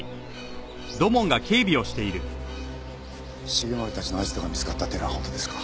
繁森たちのアジトが見つかったっていうのは本当ですか？